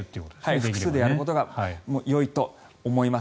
複数でやるほうがよいと思います。